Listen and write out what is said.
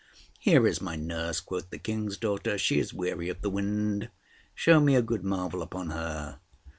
"Here is my nurse," quoth the King's daughter. "She is weary of the wind. Show me a good marvel upon her."